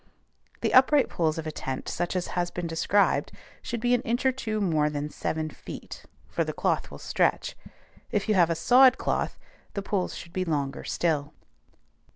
The upright poles of a tent such as has been described should be an inch or two more than seven feet, for the cloth will stretch. If you have a sod cloth, the poles should be longer still.